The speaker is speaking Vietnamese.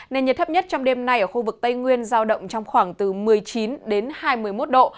nền nhiệt thấp nhất trong đêm nay ở khu vực tây nguyên giao động trong khoảng từ một mươi chín đến hai mươi một độ